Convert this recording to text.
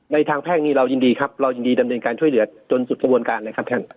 ทางแพ่งนี้เรายินดีครับเรายินดีดำเนินการช่วยเหลือจนสุดกระบวนการเลยครับท่าน